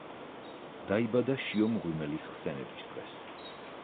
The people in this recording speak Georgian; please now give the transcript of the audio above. დაიბადა შიო მღვიმელის ხსენების დღეს.